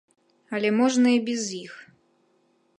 Але можна і без іх.